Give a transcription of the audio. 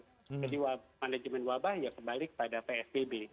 jadi manajemen wabah ya kembali kepada psbb